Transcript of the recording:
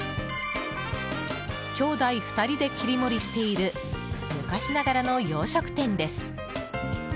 兄弟２人で切り盛りしている昔ながらの洋食店です。